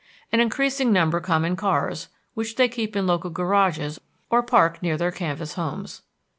An increasing number come in cars, which they keep in local garages or park near their canvas homes.